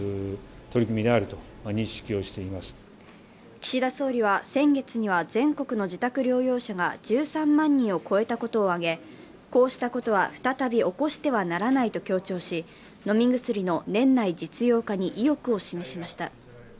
岸田総理は先月には全国の自宅療養者が１３万人を超えたことを挙げ、こうしたことは再び起こしてはならないと強調し飲み薬の年内実用化に意欲を占めました。